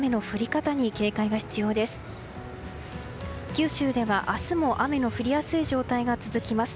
九州では明日も雨の降りやすい状態が続きます。